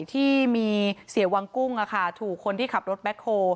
ที่มีเสียวังกุ้งถูกคนที่ขับรถแบ็คโฮ